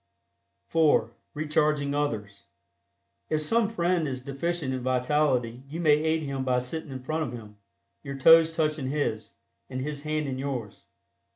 (4) RECHARGING OTHERS. If some friend is deficient in vitality you may aid him by sitting in front of him, your toes touching his, and his hands in yours.